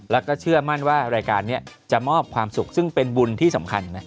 แล้วก็เชื่อมั่นว่ารายการนี้จะมอบความสุขซึ่งเป็นบุญที่สำคัญนะ